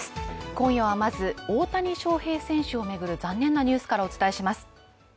今夜はまず大谷翔平選手を巡る残念なニュースからお伝えします。